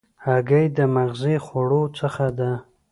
هګۍ د مغذي خوړو څخه ده.